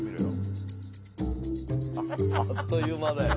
あっという間だよ。